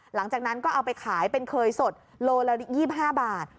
หลังจากนั้นก็เอาไปขายเป็นเคยสดโลละ๒๕บาท